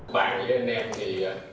bạn với anh em thì